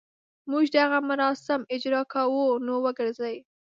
موږ دغه مراسم اجراء کوو نو وګرځي.